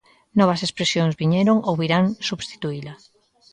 Novas expresións viñeron ou virán substituíla.